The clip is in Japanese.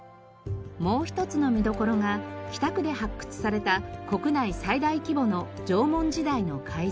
もう一つの見どころが北区で発掘された国内最大規模の縄文時代の貝塚。